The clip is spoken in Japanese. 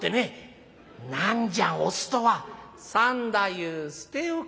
「何じゃオスとは！」。「三太夫捨て置け」。